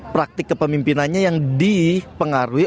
praktik kepemimpinannya yang dipengaruhi